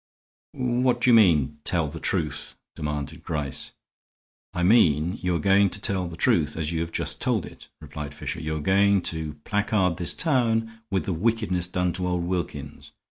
"What do you mean? Tell the truth?" demanded Gryce. "I mean you are going to tell the truth as you have just told it," replied Fisher. "You are going to placard this town with the wickedness done to old Wilkins.